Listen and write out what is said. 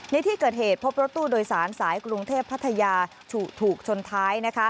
ในที่เกิดเหตุพบรถตู้โดยสารสายกรุงเทพพัทยาถูกชนท้าย